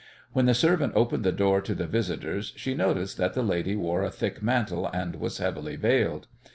When the servant opened the door to the visitors she noticed that the lady wore a thick mantle and was heavily veiled.